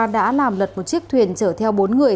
đã làm lật một chiếc thuyền chở theo bốn người